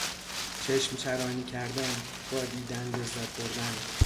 چشم چرانی کردن، با دیدن لذت بردن